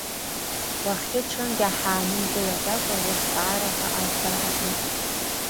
Уахгьы-ҽынгьы ҳаанымгылаӡакәа рызҵаарақәа аӡбара ҳаҿын.